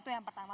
itu yang pertama